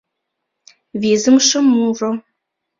ВИЗЫМШЕ МУРО